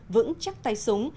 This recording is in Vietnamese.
vững chắc tay súng